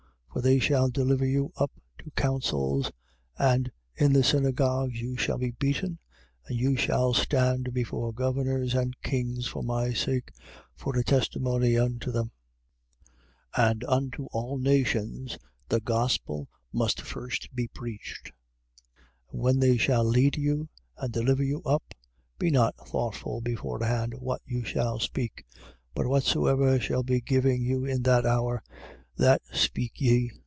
For they shall deliver you Up to councils: and in the synagogues you shall be beaten: and you shall stand before governors and kings for my sake, for a testimony unto them. 13:10. And unto all nations the gospel must first be preached. 13:11. And when they shall lead you and deliver you up, be not thoughtful beforehand what you shall speak: but whatsoever shall be given you in that hour, that speak ye.